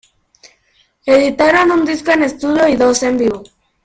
Editaron un disco en estudio y dos en vivo.